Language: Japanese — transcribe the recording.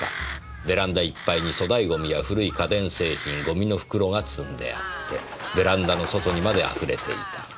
「ベランダいっぱいに粗大ゴミや古い家電製品ゴミの袋が積んであってベランダの外にまであふれていた」